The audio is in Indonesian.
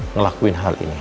ngelakuin hal ini